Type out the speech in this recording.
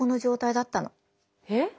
えっ？